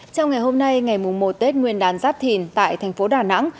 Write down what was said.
trong ngày hôm nay ngày mùa một tết nguyên đán giáp thìn tại thành phố đà nẵng